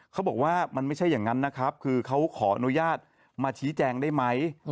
เขาบอกว่ามันไม่ใช่อย่างนั้นนะครับคือเขาขออนุญาตมาชี้แจงได้ไหม